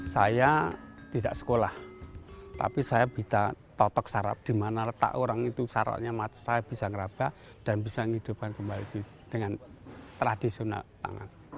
saya tidak sekolah tapi saya bisa totok sarap di mana letak orang itu syaratnya saya bisa ngerabah dan bisa menghidupkan kembali dengan tradisional tangan